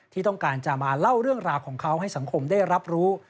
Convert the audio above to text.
ที่ต้องการจะมาเล่าเรื่องราวของเขาให้สังคมได้รับรู้